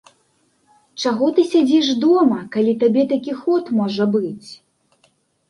Чаго ты сядзіш дома, калі табе такі ход можа быць!